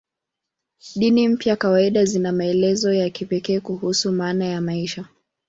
Dini mpya kawaida zina maelezo ya kipekee kuhusu maana ya maisha.